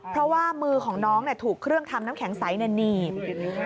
เพราะว่ามือของน้องถูกเครื่องทำน้ำแข็งใสหนีบ